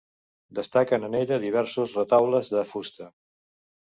Destaquen en ella diversos retaules de fusta.